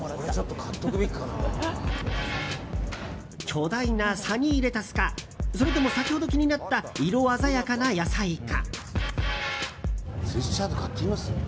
巨大なサニーレタスかそれとも先ほど気になった色鮮やかな野菜か。